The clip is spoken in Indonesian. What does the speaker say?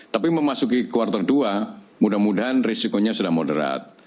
tapi memasuki kuartal dua mudah mudahan risikonya sudah moderat